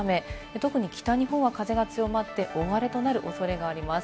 特に北日本は風が強まって、大荒れとなる恐れがあります。